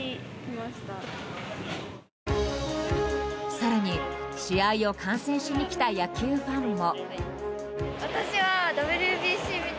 更に、試合を観戦しに来た野球ファンも。